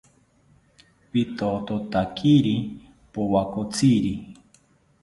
Pitothotakiri powakotziri